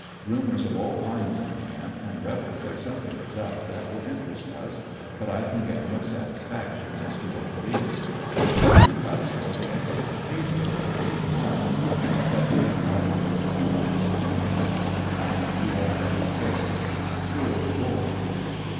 Rumors of all kinds in camp, and rebels say somethmg is up that will interest us, but I can get no satisfaction as to what it is. Drew cuts for the extra potato, and Dave won, and he cut that article of food into three pieces and we all had a share. Good boy.